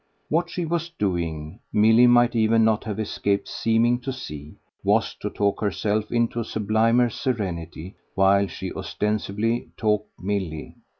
What she was doing, Milly might even not have escaped seeming to see, was to talk herself into a sublimer serenity while she ostensibly talked Milly.